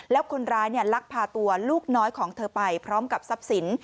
แล้วคนร้ายลักพาตัวลูกน้อยของเธอไปพร้อมกับทรัพย์สิน